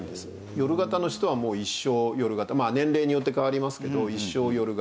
夜型の人はもう一生夜型まあ年齢によって変わりますけど一生夜型。